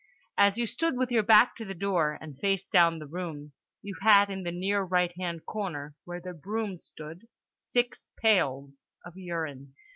As you stood with your back to the door, and faced down the room, you had in the near right hand corner (where the brooms stood) six pails of urine.